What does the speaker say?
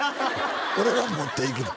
俺が持っていくの？